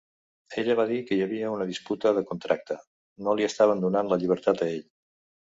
Ella va dir que hi havia una disputa de contracte; no li estaven donant la llibertat a ell.